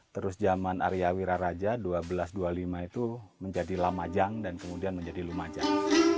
terus zaman arya wiraraja seribu dua ratus dua puluh lima itu menjadi lamajang dan kemudian menjadi lumajang